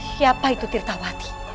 siapa itu tirtawati